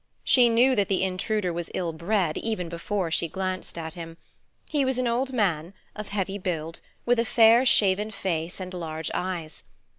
She knew that the intruder was ill bred, even before she glanced at him. He was an old man, of heavy build, with a fair, shaven face and large eyes.